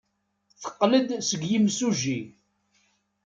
Teqqel-d seg yimsujji.